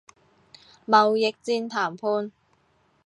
貿易戰談判